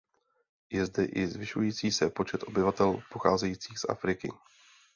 Je zde i zvyšující se počet obyvatel pocházejících z Afriky.